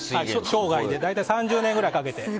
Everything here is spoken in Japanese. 生涯で大体、３０年ぐらいかけて。